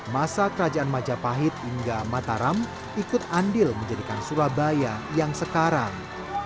masa kerajaan majapahit hingga mataram ikut andil menjadikan surabaya yang sekarang